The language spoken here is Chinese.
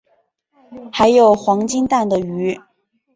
还有黄金蛋的鱼